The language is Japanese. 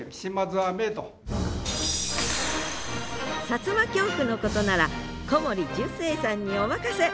さつま狂句のことなら小森寿星さんにお任せ！